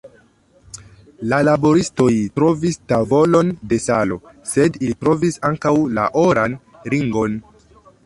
La laboristoj trovis tavolon de salo, sed ili trovis ankaŭ la oran ringon.